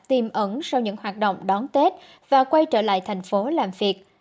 tìm ẩn sau những hoạt động đón tết và quay trở lại thành phố làm việc